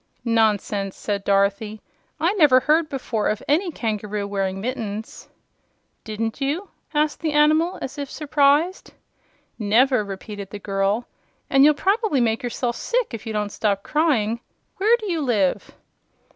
"Nonsense!" said Dorothy. "I never heard of any kangaroo wearing mittens." "Didn't you?" asked the animal, as if surprised. "Never!" repeated the girl. "And you'll probably make yourself sick if you don't stop crying. Where do you live?"